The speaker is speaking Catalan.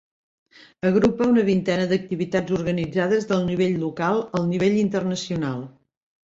Agrupa una vintena d'activitats organitzades del nivell local al nivell internacional.